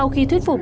ờ mai mai mai